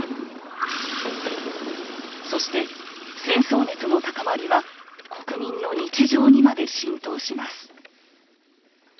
そして戦争熱の高まりは国民の日常にまで浸透します。